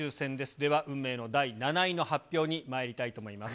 では、運命の第７位の発表にまいりたいと思います。